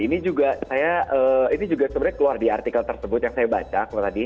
ini juga saya ini juga sebenarnya keluar di artikel tersebut yang saya baca kalau tadi